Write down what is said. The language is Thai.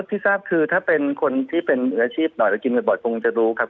ที่ทราบคือถ้าเป็นคนที่เป็นอาชีพหน่อยเรากินบ่อยคงจะรู้ครับ